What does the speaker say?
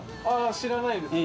知らないですか。